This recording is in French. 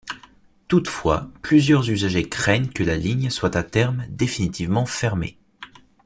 Toutefois, plusieurs usagers craignent que la ligne soit à terme définitivement fermée.